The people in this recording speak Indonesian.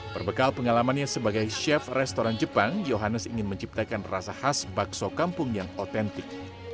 berbekal pengalamannya sebagai chef restoran jepang yohanes ingin menciptakan rasa khas bakso kampung yang otentik